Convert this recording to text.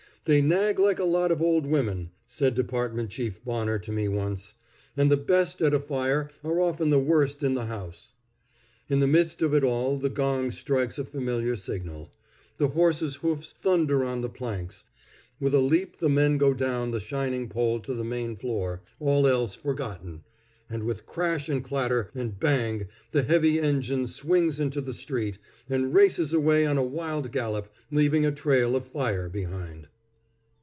"They nag like a lot of old women," said Department Chief Bonner to me once; "and the best at a fire are often the worst in the house." In the midst of it all the gong strikes a familiar signal. The horses' hoofs thunder on the planks; with a leap the men go down the shining pole to the main floor, all else forgotten; and with crash and clatter and bang the heavy engine swings into the street, and races away on a wild gallop, leaving a trail of fire behind.